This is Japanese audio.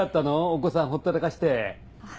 お子さんほったらかして。